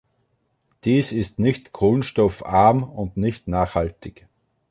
Dies ist nicht kohlenstoffarm und nicht nachhaltig.